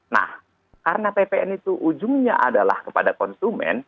nah karena ppn itu ujungnya adalah kepada konsumen